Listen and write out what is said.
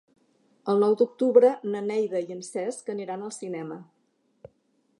El nou d'octubre na Neida i en Cesc aniran al cinema.